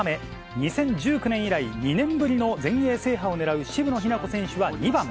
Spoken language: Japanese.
２０１９年以来、２年ぶりの全英制覇をねらう渋野日向子選手は２番。